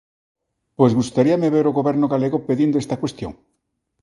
Pois gustaríame ver ao Goberno galego pedindo esta cuestión.